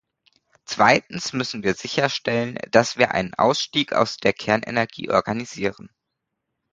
Zweitens müssen wir sicherstellen, dass wir einen Ausstieg aus der Kernenergie organisieren.